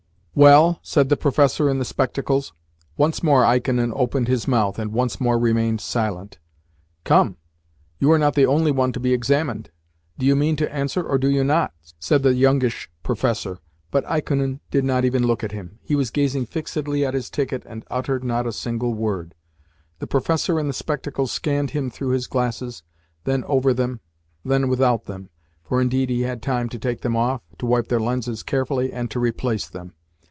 "Well?" said the professor in the spectacles. Once more Ikonin opened his mouth, and once more remained silent. "Come! You are not the only one to be examined. Do you mean to answer or do you not?" said the youngish professor, but Ikonin did not even look at him. He was gazing fixedly at his ticket and uttered not a single word. The professor in the spectacles scanned him through his glasses, then over them, then without them (for, indeed, he had time to take them off, to wipe their lenses carefully, and to replace them).